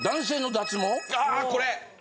・ああこれ！